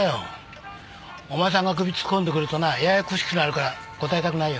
お前さんが首突っ込んでくるとなややこしくなるから答えたくないよ。